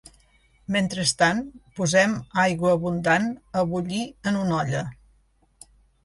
Mentrestant, posem aigua abundant a bullir en una olla.